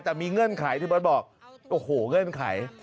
แต่มีเงื่อนไขที่เบิร์ตบอกโอ้โหเงื่อนไข